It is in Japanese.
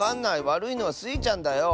わるいのはスイちゃんだよ。